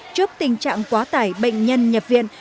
trước tình trạng quá tải bệnh nhân nhập viện